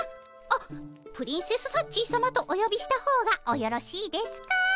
あっプリンセスサッチーさまとおよびした方がおよろしいですか？